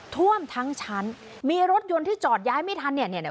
ท่วมทั้งชั้นมีรถยนต์ที่จอดย้ายไม่ทัน